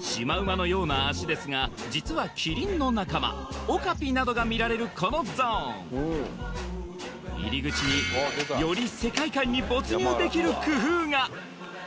シマウマのような脚ですが実はキリンの仲間オカピなどが見られるこのゾーン入り口により世界観に没入できる工夫が！